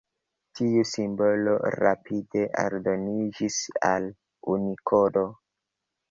Tiu simbolo rapide aldoniĝis al Unikodo.